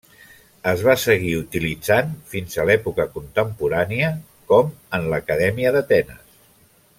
Es va seguir utilitzant fins a l'època contemporània, com en l'Acadèmia d'Atenes.